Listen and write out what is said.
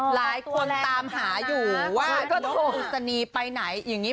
หลายคนตามหาอยู่ว่าเจ้าโทอุศนีไปไหนอย่างนี้